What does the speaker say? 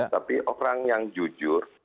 tapi orang yang jujur